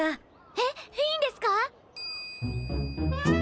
えっいいんですか？